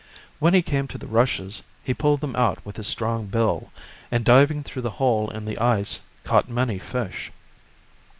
When he came to the rushes he pulled them out with his strong bill, and diving through the hole in the ice, caught many fish.